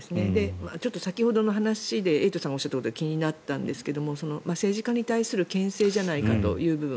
先ほどの話でエイトさんがおっしゃったことで気になったんですが政治家に対するけん制じゃないかという部分。